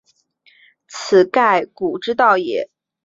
此盖古之道也。